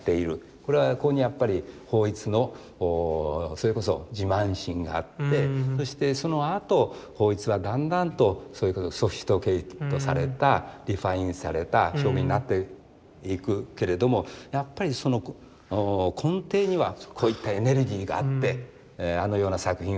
これはやっぱり抱一のそれこそ自慢心があってそしてそのあと抱一はだんだんとそれこそソフィスティケートされたリファインされた表現になっていくけれどもやっぱりその根底にはこういったエネルギーがあってあのような作品を。